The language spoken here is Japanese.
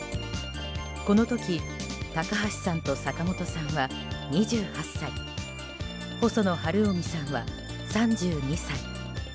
この時、高橋さんと坂本さんは２８歳細野晴臣さんは３２歳。